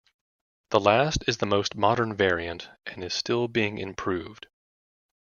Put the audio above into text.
The last is the most modern variant and is still being improved.